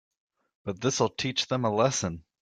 But this'll teach them a lesson.